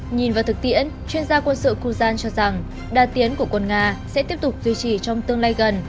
nhìn vào thực tiễn chuyên gia quân sự kujan cho rằng đa tiến của quân nga sẽ tiếp tục duy trì trong tương lai gần